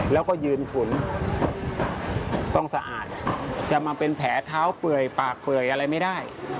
แล้วก็ยืนฝุ่นต้องสะอาดจะมาเป็นแผลเท้าเปื่อยปากเปื่อยอะไรไม่ได้